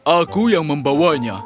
aku yang membawanya